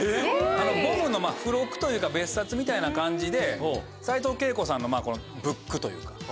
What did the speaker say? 『ＢＯＭＢ！』の付録というか別冊みたいな感じで斉藤慶子さんのＢＯＯＫというか。